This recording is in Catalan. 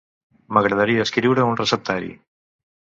M'agradaria escriure un receptari.